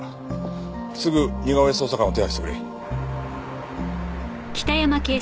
すぐ似顔絵捜査官を手配してくれ。